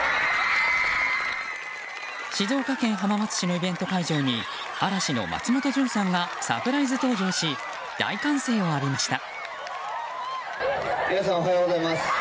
静岡県浜松市のイベント会場に嵐の松本潤さんがサプライズ登場し大歓声を浴びました。